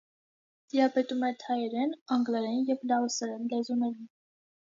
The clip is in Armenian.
Տիրապետում է թայերեն, անգլերեն և լաոսերեն լեզուներին։